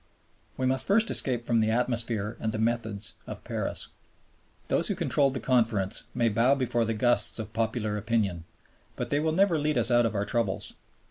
We must first escape from the atmosphere and the methods of Paris. Those who controlled the Conference may bow before the gusts of popular opinion, but they will never lead us out of our troubles.